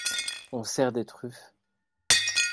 On sert des truffes…